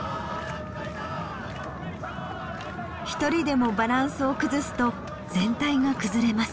一人でもバランスを崩すと全体が崩れます。